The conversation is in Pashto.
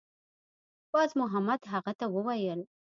بازمحمد هغه ته وویل